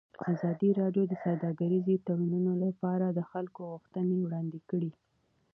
ازادي راډیو د سوداګریز تړونونه لپاره د خلکو غوښتنې وړاندې کړي.